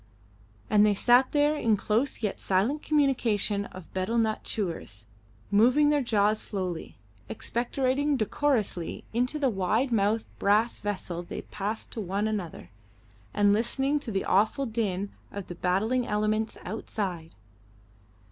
And they sat there in close yet silent communion of betel nut chewers, moving their jaws slowly, expectorating decorously into the wide mouthed brass vessel they passed to one another, and listening to the awful din of the battling elements outside.